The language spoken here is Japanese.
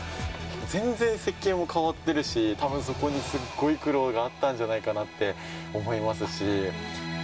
全然設計も変わってるし、たぶん、そこにすっごい苦労があったんじゃないかなって思いますし。